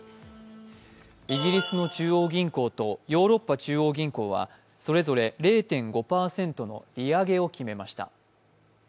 イギリスの中央銀行とヨーロッパ中央銀行はそれぞれ０．５％の利上げを決めました。